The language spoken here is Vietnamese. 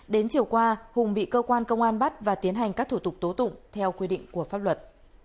đến chiều qua hùng bị cơ quan công an bắt và tiến hành các thủ tục tố tụng theo quy định của pháp luật